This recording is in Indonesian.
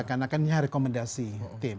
karena kan ini rekomendasi tim